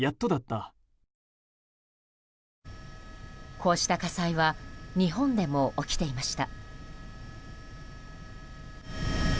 こうした火災は日本でも起きていました。